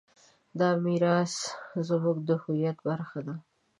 دا میراث زموږ د هویت برخه ده.